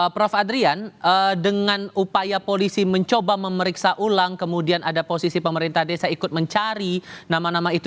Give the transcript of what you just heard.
prof adrian dengan upaya polisi mencoba memeriksa ulang kemudian ada posisi pemerintah desa ikut mencari nama nama itu